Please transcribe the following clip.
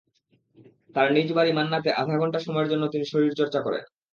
তাঁর নিজ বাড়ি মান্নাতে আধা ঘণ্টা সময়ের জন্য তিনি শরীরচর্চা করেন।